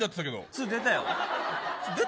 ２出たよ。